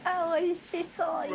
おいしそう。